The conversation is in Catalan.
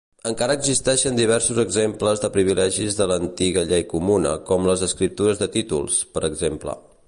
Encara existeixen diversos exemples de privilegis de l'antiga llei comuna, com les escriptures de títols, per exemple.